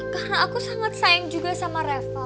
karena aku sangat sayang juga sama ravel